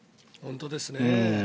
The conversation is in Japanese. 本当ですね。